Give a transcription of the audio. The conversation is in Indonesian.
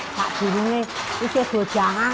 kepada dulu ini saya belajar menenun